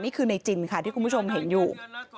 นี่คือในจินค่ะที่คุณผู้ชมเห็นอยู่